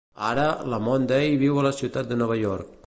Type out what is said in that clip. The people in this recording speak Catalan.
Ara, la Monday viu a la ciutat de Nova York.